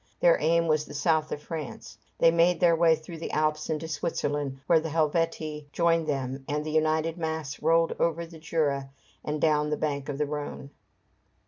Their aim was the south of France. They made their way through the Alps into Switzerland, where the Helvetii joined them and the united mass rolled over the Jura and down the bank of the Rhone.